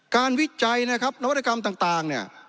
การวิจัยนะครับนวัตกรรมต่าง